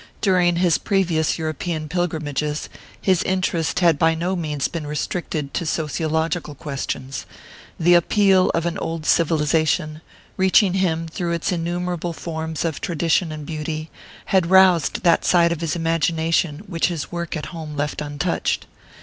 During his previous European pilgrimages his interest had by no means been restricted to sociological questions: the appeal of an old civilization, reaching him through its innumerable forms of tradition and beauty, had roused that side of his imagination which his work at home left untouched.